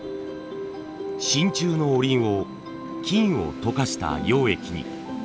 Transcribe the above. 真鍮のおりんを金を溶かした溶液に。